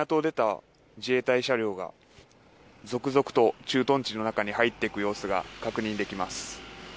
港を出た自衛隊車両が続々と駐屯地の中に入っていく様子が確認できます。